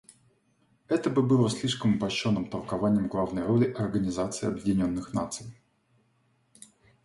Это бы было слишком упрощенным толкованием главной роли Организации Объединенных Наций.